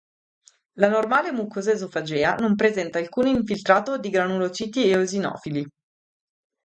La normale mucosa esofagea non presenta alcun infiltrato di granulociti eosinofili.